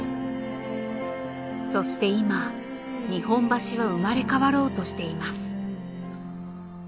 そして今日本橋は生まれ変わろうとしています。